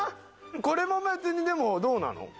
これも別にでもどうなの？